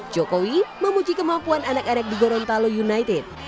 jokowi memuji kemampuan anak anak di gorontalo united